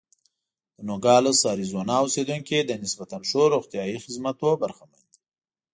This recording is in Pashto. د نوګالس اریزونا اوسېدونکي له نسبتا ښو روغتیايي خدمتونو برخمن دي.